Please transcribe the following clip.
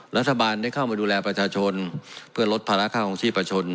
รัฐบาลได้เข้ามาดูแลประชาชนเพื่อลดภาระค่าของชีพประชน